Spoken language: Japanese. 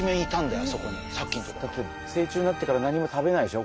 だって成虫になってから何も食べないでしょ